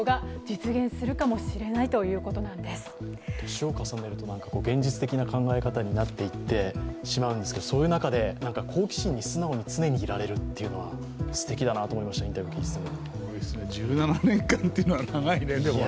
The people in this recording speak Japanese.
年を重ねると現実的な考えになってしまうんですけどそういう中で、好奇心に素直に常にいられるというのはすてきだなと思いました、インタビューを聞いていても。